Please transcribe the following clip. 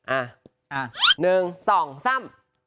อ่า